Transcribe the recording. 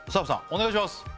お願いします